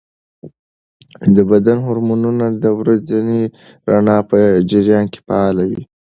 د بدن هارمونونه د ورځني رڼا په جریان کې فعاله وي.